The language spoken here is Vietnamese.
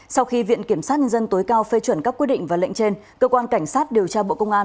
sau khi viện kiểm sát nhân dân tối cao phê chuẩn các quyết định và lệnh trên cơ quan cảnh sát điều tra bộ công an